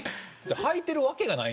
はいてるわけがない。